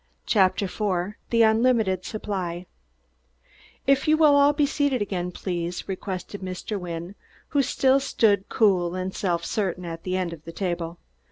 CHAPTER IV THE UNLIMITED SUPPLY "If you will all be seated again, please?" requested Mr. Wynne, who still stood, cool and self certain, at the end of the table.